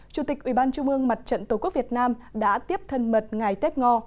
chủ tịch ủy ban trung ương mặt trận tổ quốc việt nam đã tiếp thân mật ngày tết ngo